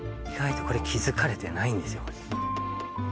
意外とこれ気づかれてないんですよ